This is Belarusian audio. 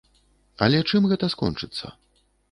Але чым гэта скончыцца?